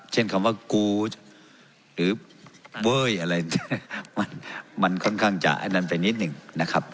คำว่ากูธหรือเว้ยอะไรเนี่ยมันค่อนข้างจะอันนั้นไปนิดหนึ่งนะครับ